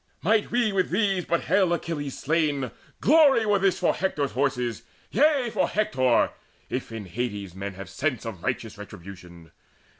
Might we with these but hale Achilles slain, Glory were this for Hector's horses, yea, For Hector if in Hades men have sense Of righteous retribution.